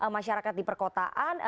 masyarakat di perkotaan